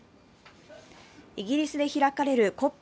イギリスで開かれるＣＯＰ